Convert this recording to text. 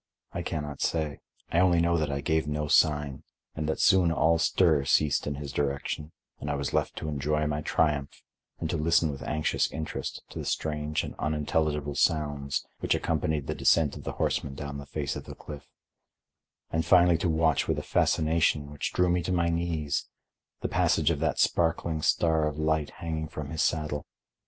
I can not say; I only know that I gave no sign, and that soon all stir ceased in his direction and I was left to enjoy my triumph and to listen with anxious interest to the strange and unintelligible sounds which accompanied the descent of the horseman down the face of the cliff, and finally to watch with a fascination, which drew me to my knees, the passage of that sparkling star of light hanging from his saddle.